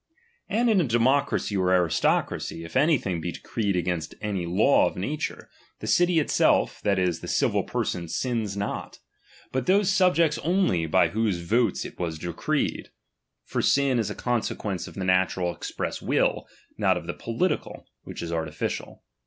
And in a democracy or aristocracy, if anything be decreed against any law of nature, the city itself, that is, the civil person sins not, but those subjects only by whose votes it was decreed ; for siu is a consequence of the na tural express will, not of the political, which is artificial.